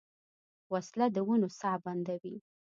وسله د ونو ساه بندوي